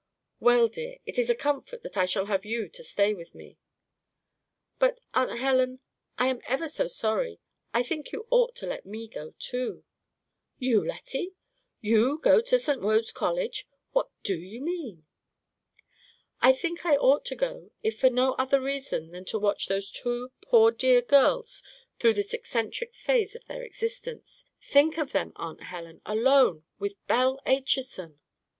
"Well, dear, it is a comfort that I shall have you to stay with me." "But, Aunt Helen, I am ever so sorry. I think you ought to let me go too." "You, Lettie? You go to St. Wode's College? What do you mean?" "I think I ought to go, if for no other reason than to watch those two poor dear girls through this eccentric phase of their existence. Think of them, Aunt Helen, alone with Belle Acheson!"